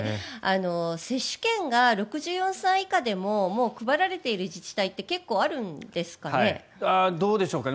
接種券が６４歳以下でももう配られている自治体って結構あるんですかね。